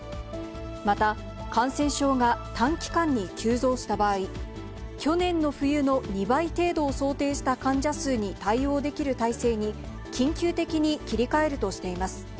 また、感染症が短期間に急増した場合、去年の冬の２倍程度を想定した患者数に対応できる体制に緊急的に切り替えるとしています。